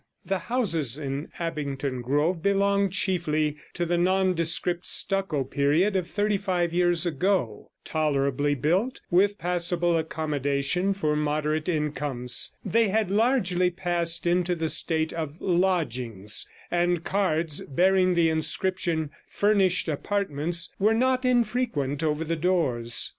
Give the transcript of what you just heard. The houses in Abingdon Grove belonged chiefly to the nondescript stucco period of thirty five years ago, tolerably built, with passable accommodation for moderate incomes; they had largely passed into the state of lodgings, and cards bearing the inscription 'Furnished Apartments' were not infrequent over the doors.